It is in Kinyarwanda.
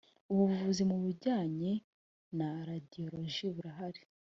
ubuvuzi mu bijyanye na radiyoloji burahari